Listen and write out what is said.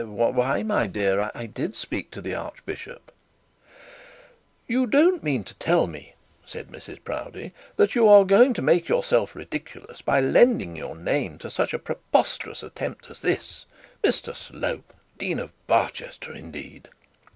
'Why, my dear, I did speak to the archbishop.' 'You don't mean to tell me,' said Mrs Proudie, 'that you are going to make yourself ridiculous by lending your name to such preposterous attempts as this? Mr Slope dean of Barchester indeed!'